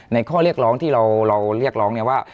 ข้อเรียกร้องที่เราเรียกร้องเนี่ยว่า